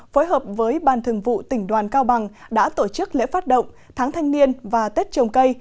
phối hợp với ban thường vụ tỉnh đoàn cao bằng đã tổ chức lễ phát động tháng thanh niên và tết trồng cây